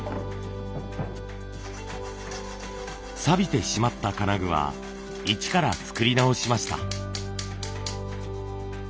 さびてしまった金具は一から作り直しました。